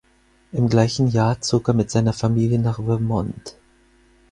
Im gleichen Jahr zog er mit seiner Familie nach Vermont.